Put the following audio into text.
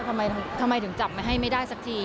ทำไมถึงจับมาให้ไม่ได้สักที